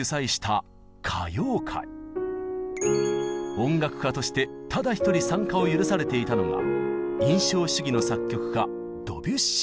音楽家としてただ一人参加を許されていたのが印象主義の作曲家